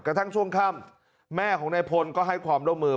กระทั่งช่วงค่ำแม่ของนายพลก็ให้ความร่วมมือ